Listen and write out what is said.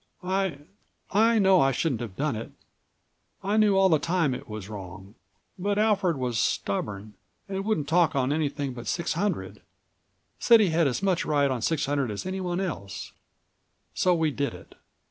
"I—I know I shouldn't have done it. I knew all the time it was wrong, but Alfred was stubborn and wouldn't talk on anything but 600—said he had as much right on 600 as anyone else—so we did it."